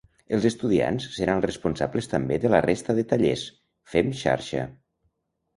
Els estudiants seran els responsables també de la resta de tallers: Fem xarxa.